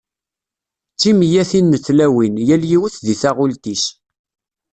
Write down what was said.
D timeyyatin n tlawin, yal yiwet di taɣult-is.